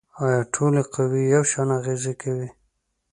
آیا ټولې قوې یو شان اغیزې کوي؟